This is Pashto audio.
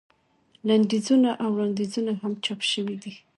لنډیزونه او وړاندیزونه هم چاپ شوي دي.